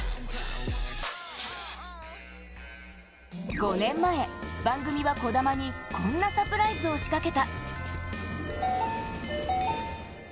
５年前、番組は児玉に、こんなサプライズを仕掛けた。